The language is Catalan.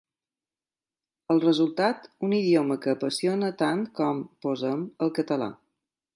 El resultat, un idioma que apassiona tant com, posem, el català.